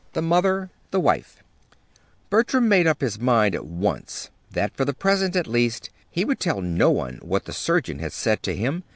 THE MOTHER THE WIFE Bertram made up his mind at once that, for the present, at least, he would tell no one what the surgeon had said to him.